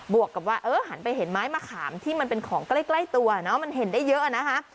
วกกับว่าเออหันไปเห็นไม้มะขามที่มันเป็นของใกล้ตัวเนาะมันเห็นได้เยอะนะคะ